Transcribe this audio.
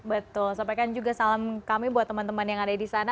betul sampaikan juga salam kami buat teman teman yang ada di sana